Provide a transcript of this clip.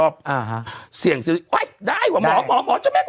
เบลล่าเบลล่า